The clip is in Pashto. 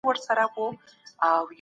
خلګ په څه سي باور لري؟